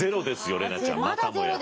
怜奈ちゃんまたもや。